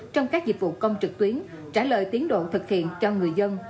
trong các dịch vụ công trực tuyến trả lời tiến độ thực hiện cho người dân